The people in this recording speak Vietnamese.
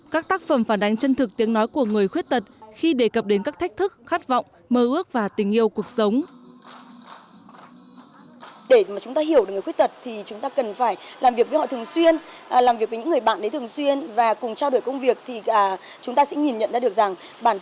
các tác phẩm phản ánh chân thực tiếng nói của người khuyết tật khi đề cập đến các thách thức khát vọng mơ ước và tình yêu cuộc sống